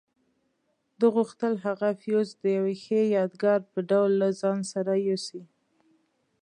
ده غوښتل هغه فیوز د یوې ښې یادګار په ډول له ځان سره یوسي.